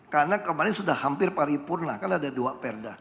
karena kemarin sudah hampir paripurna kan ada dua perda